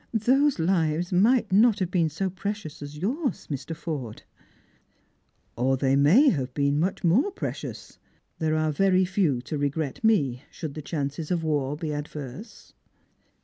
" Those lives may not have been so precious as yours, Jlr. Forde." " Or they may have been much more precious. There are very few to regret me, should the chances of war be adverse."